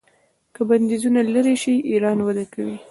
که بندیزونه لرې شي ایران وده کوي.